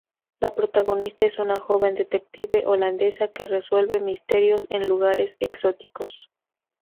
La protagonista es una joven detective holandesa que resuelve misterios en lugares exóticos.